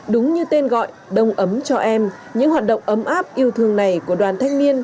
đúng như tên gọi đông ấm cho em những hoạt động ấm áp yêu thương này của đoàn thanh niên